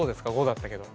５だったけど。